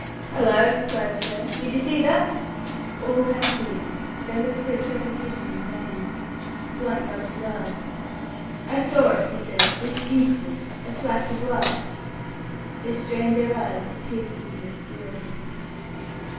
"Hallo," cries Frere, "did you see that?" All had seen it, but they looked for its repetition in vain. Blunt rubbed his eyes. "I saw it," he said, "distinctly. A flash of light." They strained their eyes to pierce through the obscurity.